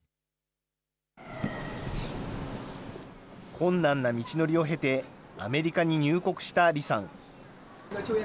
困難な道のりを経て、アメリカに入国した李さん。